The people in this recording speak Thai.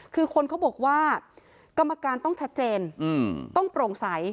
คือคนเขาบอกว่ากรรมการต้องชัดเจนต้องโปร่งใส